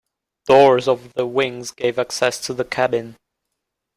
Doors over the wings gave access to the cabin.